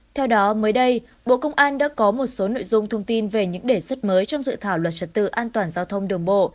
theo đó mới đây bộ công an đã có một số nội dung thông tin về những đề xuất mới trong dự thảo luật trật tự an toàn giao thông đường bộ